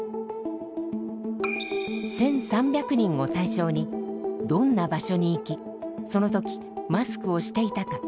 １，３００人を対象にどんな場所に行きその時マスクをしていたか。